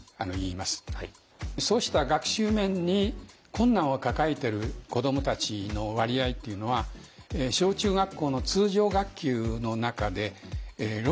そうした学習面に困難を抱えてる子どもたちの割合っていうのは小・中学校の通常学級の中で６．５％います。